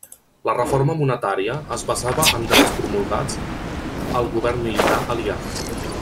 La reforma monetària es basava en drets promulgats el govern militar Aliat.